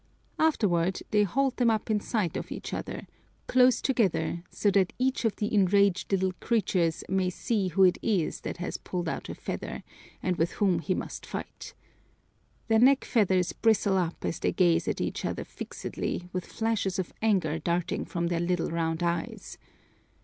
Afterwards, they hold them up in sight of each other, close together, so that each of the enraged little creatures may see who it is that has pulled out a feather, and with whom he must fight. Their neck feathers bristle up as they gaze at each other fixedly with flashes of anger darting from their little round eyes.